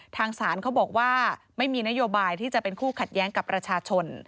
ทางศาลเขาบอกว่าไม่มีนโยบายที่จะเป็นคู่ขัดแย้งกับประชาชน